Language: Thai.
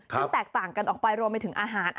ซึ่งแตกต่างกันออกไปรวมไปถึงอาหาร